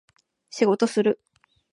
仕事する